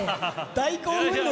大興奮で。